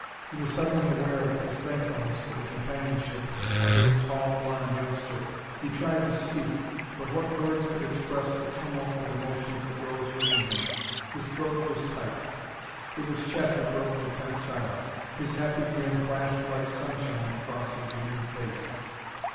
He was suddenly aware of his thankfulness for the companionship of this tall, blond youngster. He tried to speak but what words could express the tumult of emotions that arose within him? His throat was tight.... It was Chet who broke the tense silence; his happy grin flashed like sunshine across his lean face.